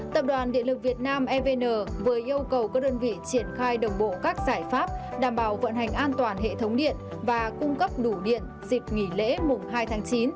tập đoàn điện lực việt nam evn vừa yêu cầu các đơn vị triển khai đồng bộ các giải pháp đảm bảo vận hành an toàn hệ thống điện và cung cấp đủ điện dịp nghỉ lễ mùng hai tháng chín